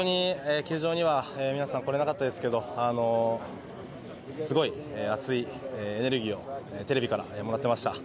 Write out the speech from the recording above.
球場には皆さん来れなかったですけど、すごい熱いエネルギーをテレビからもらっていました。